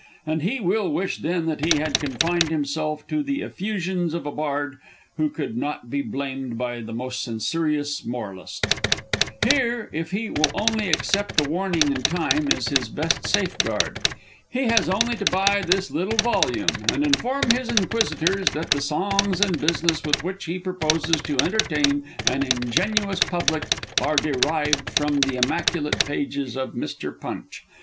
And he will wish then that he had confined himself to the effusions of a bard who could not be blamed by the most censorious moralist. Here, if he will only accept the warning in time, is his best safeguard. He has only to buy this little volume, and inform his inquisitors that the songs and business with which he proposes to entertain an ingenuous public are derived from the immaculate pages of Mr. Punch.